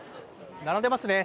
並んでいますね。